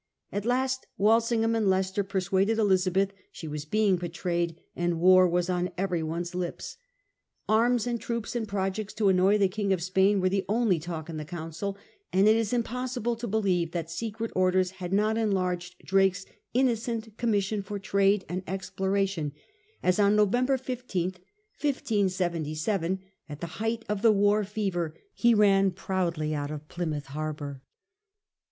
At last Walsingham and Leicester persuaded Elizabeth she was being betrayed, and war was on every one's lips. Arms and troops and projects* to annoy the King of Spain were the only talk in the Council; and it is impossible to believe that secret orders had not enlarged Drake's innocent commission for trade and exploration, as on November 15th, 1577, at the height of the war fever, he ran proudly out of Plymouth harbour.